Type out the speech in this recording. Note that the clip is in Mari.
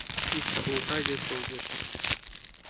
Икте олта, весе огеш.